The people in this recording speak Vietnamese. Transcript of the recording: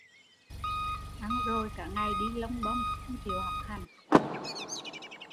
Ăn rồi cả ngày đi lông bông, không chịu học hành